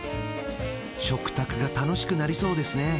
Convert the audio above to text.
食卓が楽しくなりそうですね